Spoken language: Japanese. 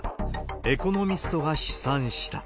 エコノミストが試算した。